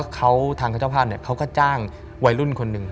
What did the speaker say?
เขาทางเจ้าภาพเขาก็จ้างวัยรุ่นคนหนึ่ง